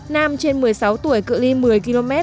nam trên một mươi sáu tuổi cự li một mươi km